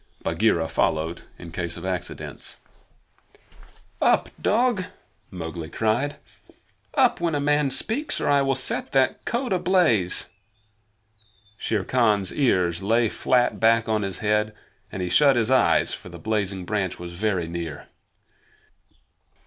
Bagheera followed in case of accidents. "Up, dog!" Mowgli cried. "Up, when a man speaks, or I will set that coat ablaze!" Shere Khan's ears lay flat back on his head, and he shut his eyes, for the blazing branch was very near.